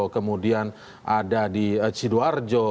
kemudian ada di sidoarjo